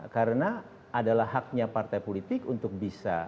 karena adalah haknya partai politik untuk bisa